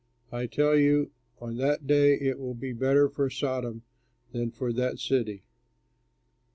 I tell you, on that day it will be better for Sodom than for that city.